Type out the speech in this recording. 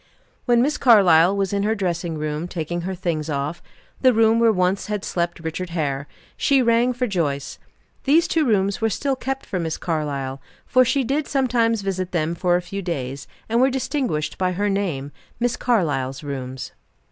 When Miss Carlyle was in her dressing room taking her things off the room where once had slept Richard Hare she rang for Joyce. These two rooms were still kept for Miss Carlyle for she did sometimes visit them for a few days and were distinguished by her name "Miss Carlyle's rooms."